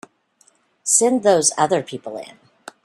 Send those other people in.